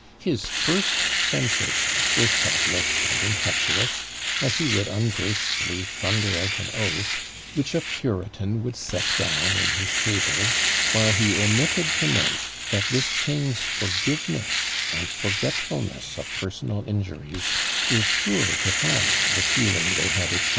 His first sensations were thoughtless and impetuous; and he would ungracefully thunder out an oath, which a puritan would set down in his "tables," while he omitted to note that this king's forgiveness and forgetfulness of personal injuries were sure to follow the feeling they had excited.